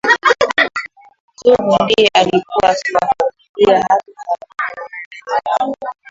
Zugu ndiye alikuwa akiwafuatilia Hakizimana na Hakizemana